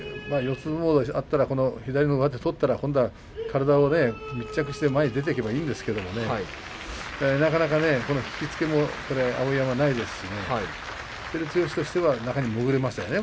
相撲であったら左の上手を取ったら体を密着して前に出ていけばいいんですけれどなかなか引き付けも碧山はないですし照強としては中に潜れましたよね